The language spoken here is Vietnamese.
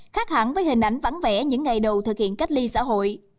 khác hẳn với hình ảnh vắng vẻ những ngày đầu thực hiện cách ly xã hội